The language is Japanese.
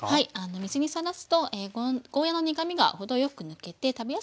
水にさらすとゴーヤーの苦みが程よく抜けて食べやすくなりますね。